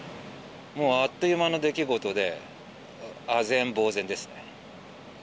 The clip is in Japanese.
もうあっという間の出来事で、あぜんぼう然ですね。